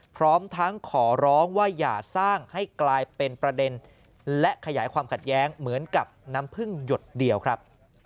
พร้อมทั้งขอร้องว่าอย่าสร้างให้กลายเป็นประเด็นและขยายความขัดแย้งเหมือนกับน้ำพึ่งหยดเดียวครับ